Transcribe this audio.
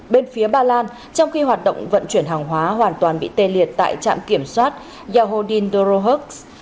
bên phía ba lan trong khi hoạt động vận chuyển hàng hóa hoàn toàn bị tê liệt tại trạm kiểm soát yahodin dorohoks